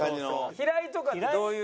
平井とかってどういう。